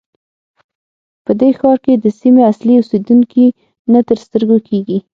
په دې ښار کې د سیمې اصلي اوسېدونکي نه تر سترګو کېږي.